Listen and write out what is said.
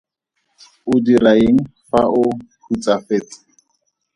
O dira eng fa o hutsafetse?